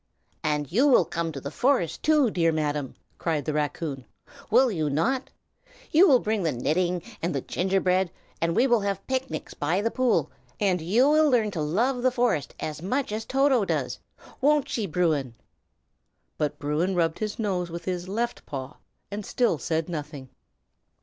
"And you will come to the forest, too, dear Madam!" cried the raccoon, "will you not? You will bring the knitting and the gingerbread, and we will have picnics by the pool, and you will learn to love the forest as much as Toto does. Won't she, Bruin?" But Bruin rubbed his nose with his left paw, and still said nothing.